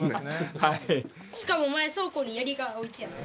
しかも前倉庫に槍が置いてあった。